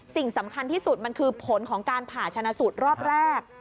สิ่งสำคัญที่สุดมันคือผลของการผ่าชนะสูตรรอบแรก